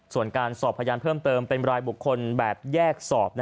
ส่วนการสอบพยานเพิ่มเติมเป็นรายบุคคลแบบแยกสอบ